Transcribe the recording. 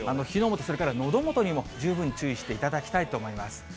火の元、それからのど元にも十分注意していただきたいと思います。